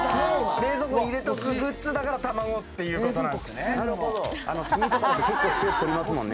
冷蔵庫に入れとくグッズだから卵っていうことなんですね。